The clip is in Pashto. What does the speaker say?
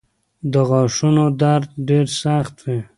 د غاښونو درد ډېر سخت وي.